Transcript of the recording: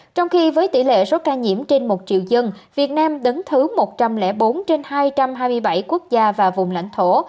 trong khi với tỷ lệ số ca nhiễm trên một triệu dân việt nam đứng thứ một trăm linh bốn trên hai trăm hai mươi bảy quốc gia và vùng lãnh thổ